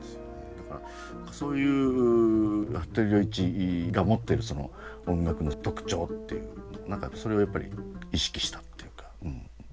だからそういう服部良一が持ってるその音楽の特徴っていう何かそれをやっぱり意識したっていうか。